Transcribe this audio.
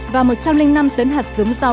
và một trăm linh năm tấn hạt giống rau